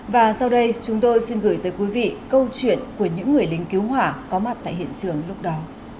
và sau đây chúng tôi xin gửi tới quý vị câu chuyện của những người lính cứu hỏa có mặt tại hiện trường lúc đó